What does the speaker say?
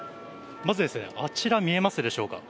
まず、あちら見えますでしょうか。